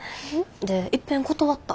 でいっぺん断った。